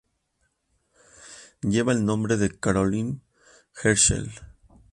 Lleva el nombre de Caroline Herschel.